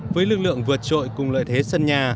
với lực lượng vượt trội cùng lợi thế sân nhà